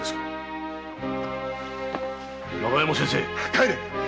帰れ！